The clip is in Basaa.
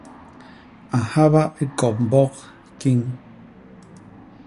A nhaba ikop mbok kiñ.